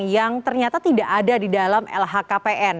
yang ternyata tidak ada di dalam lhkpn